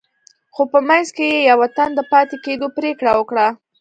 خو په منځ کې يې يوه تن د پاتې کېدو پرېکړه وکړه.